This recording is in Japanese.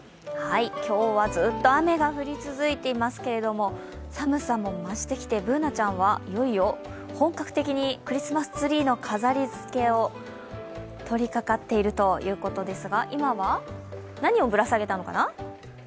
今日はずっと雨が降り続いていますけれども寒さも増してきて、Ｂｏｏｎａちゃんはいよいよ本格的にクリスマスツリーの飾りつけに取りかかってるということですが今は何をぶら下げたのかな？